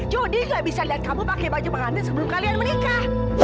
jodi gak bisa liat kamu pake wajah perantin sebelum kalian menikah